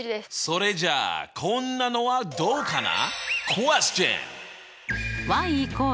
それじゃあこんなのはどうかな？